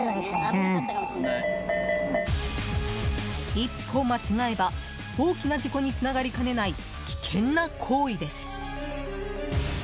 一歩間違えば大きな事故につながりかねない危険な行為です。